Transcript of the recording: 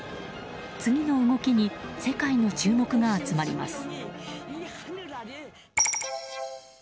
次の動きに世界の注目が集まります。